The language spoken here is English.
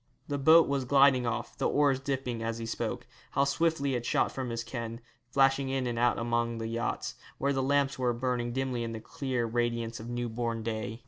The boat was gliding off, the oars dipping, as he spoke. How swiftly it shot from his ken, flashing in and out among the yachts, where the lamps were burning dimly in that clear radiance of new born day.